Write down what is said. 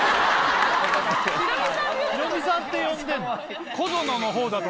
ヒロミさんって呼んでんの？